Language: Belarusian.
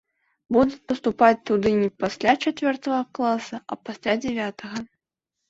Будуць паступаць туды не пасля чацвёртага класа, а пасля дзявятага.